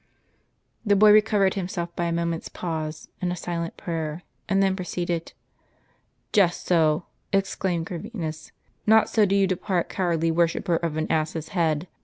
The boy recovered himself by a moment's pause and a silent prayer, and then proceeded :"' JSTot so !' exclaimed Corvinus, ' not so do you depart, cowardly worshipper of an ass's head